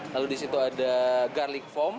lalu di situ ada garlic foam